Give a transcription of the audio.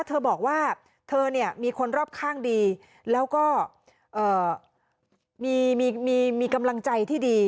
เธอบอกว่าเธอเนี่ยมีคนรอบข้างดีแล้วก็มีกำลังใจที่ดี